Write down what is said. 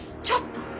ちょっと！